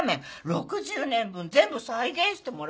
６０年分全部再現してもらうんだから。